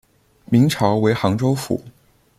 明朝为杭州府。